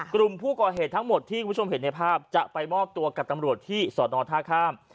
กลุ่มผู้ก่อเหตุทั้งหมดที่คุณผู้ชมเห็นในภาพจะไปมอบตัวกับตำรวจที่สอนอท่าข้าม